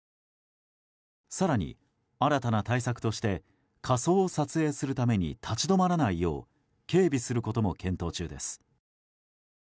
更に新たな対策として仮装を撮影するために立ち止まらないよう警備することも検討中です。